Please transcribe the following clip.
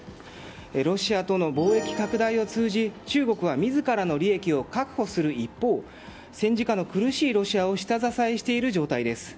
ロシアとの貿易拡大を通じ中国は自らの利益を確保する一方戦時下の苦しいロシアを下支えしている状況です。